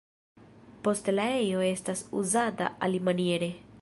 Poste la ejo estas uzata alimaniere.